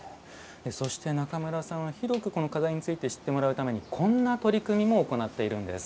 そして中村さんは広くこの錺について知ってもらうためにこんな取り組みも行っているんです。